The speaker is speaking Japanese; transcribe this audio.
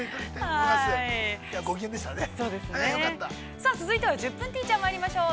◆さあ、続いては「１０分ティーチャー」まいりましょう。